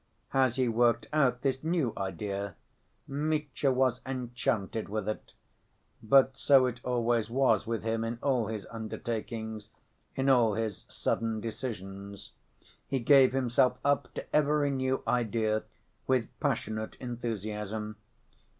As he worked out this new idea, Mitya was enchanted with it, but so it always was with him in all his undertakings, in all his sudden decisions. He gave himself up to every new idea with passionate enthusiasm.